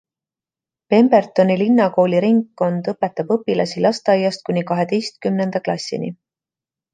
Pembertoni linnakooli ringkond õpetab õpilasi lasteaiast kuni kaheteistkümnenda klassini.